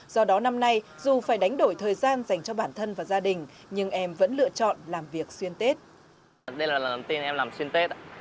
do đó năm nay dù phải đánh đổi thời gian dành cho bản thân và gia đình nhưng em vẫn lựa chọn làm việc xuyên tết